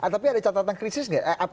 tapi ada catatan kritis gak